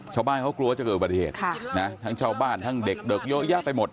ชาวบ้านเขากลัวจะเกิดอุบัติเหตุทั้งชาวบ้านทั้งเด็กเยอะแยะไปหมด